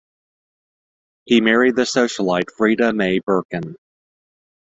He married the socialite Freda May Birkin.